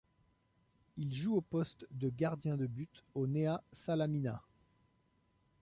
Il joue au poste de gardien de but au Nea Salamina.